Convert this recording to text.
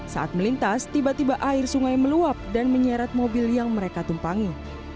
saat melintas tiba tiba air sungai meluap dan menyeret mobil yang mereka tumpangi